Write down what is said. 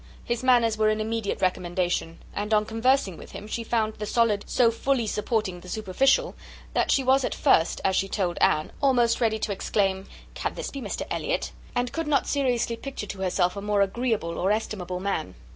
His manners were an immediate recommendation; and on conversing with him she found the solid so fully supporting the superficial, that she was at first, as she told Anne, almost ready to exclaim, "Can this be Mr Elliot?" and could not seriously picture to herself a more agreeable or estimable man.